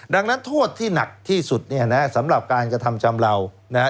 ดังนั้นโทษที่หนักที่สุดเนี่ยนะฮะสำหรับการกระทำชำเลานะฮะ